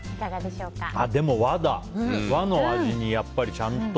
でも、和の味にちゃんと。